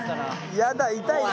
やだ痛いな。